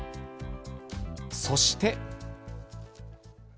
そして。